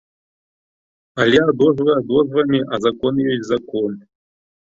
Але адозвы адозвамі, а закон ёсць закон.